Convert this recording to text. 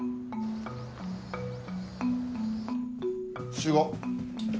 集合。